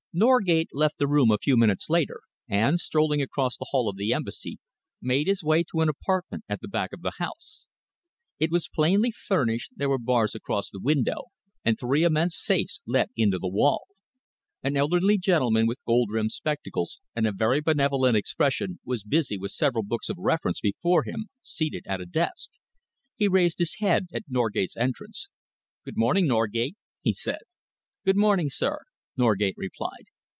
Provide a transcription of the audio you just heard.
Norgate left the room a few minutes later, and, strolling across the hall of the Embassy, made his way to an apartment at the back of the house. It was plainly furnished, there were bars across the window, and three immense safes let into the wall. An elderly gentleman, with gold rimmed spectacles and a very benevolent expression, was busy with several books of reference before him, seated at a desk. He raised his head at Norgate's entrance. "Good morning, Norgate," he said. "Good morning, sir," Norgate replied.